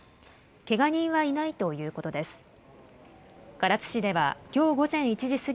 けが人はいないということです。